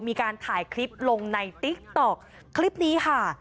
มีการถ่ายคลิปลงในติ๊กต๊อกคลิปนี้ค่ะ